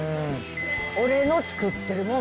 俺のつくってるもん